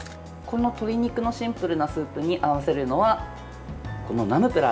この鶏肉のシンプルなスープに合わせるのはナムプラーです。